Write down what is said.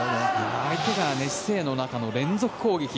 相手が劣勢の中の連続攻撃。